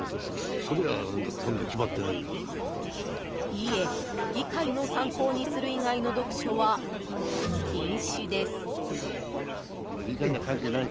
［いいえ議会の参考にする以外の読書は禁止です］